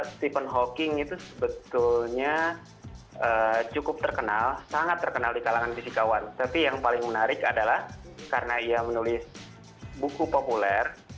stephen hawking itu sebetulnya cukup terkenal sangat terkenal di kalangan fisikawan tapi yang paling menarik adalah karena ia menulis buku populer